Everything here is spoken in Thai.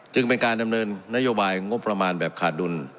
จึงเป็นการดำเนินนโยบายงบประมาณแบบขาดดุล